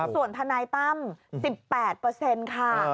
ส่วนทนายตั้ม๑๘ค่ะ